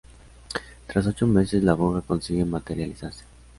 Tras ocho meses, la fuga consigue materializarse.